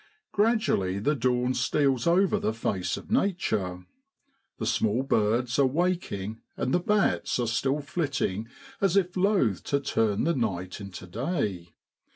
Gradually the dawn steals over the face of na ture. The small birds are waking and the bats are still flitting as if loath to turn the night into day.